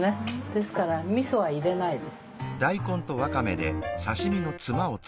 ですからみそは入れないです。